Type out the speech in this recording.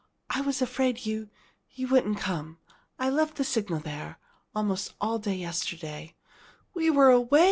"I was afraid you you wouldn't come. I left the signal there almost all day yesterday " "We were away!"